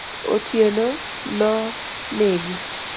Otieno no negi.